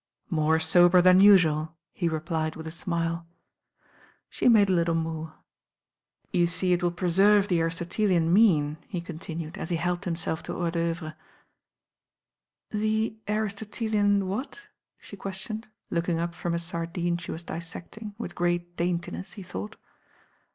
"More sober than usual," he replied with a smile. She made a little moue. "You see it will preserve the Aristotelean mean," he continued, as he helped himself to hors d'atwres. "The Aristotelean what?" she questioned, look ing up from a sardine she was dissecting, with great daintiness, he thought.